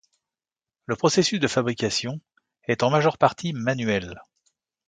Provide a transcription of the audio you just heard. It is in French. Le processus de fabrication est en majeure partie manuel.